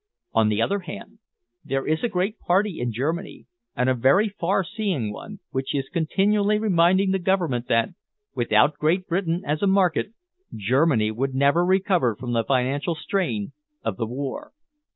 On the other hand, there is a great party in Germany, and a very far seeing one, which is continually reminding the Government that, without Great Britain as a market, Germany would never recover from the financial strain of the war."